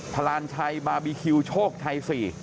พลานชัยบาร์บีคิวโชคชัย๔